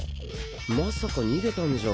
まさか逃げたんじゃ。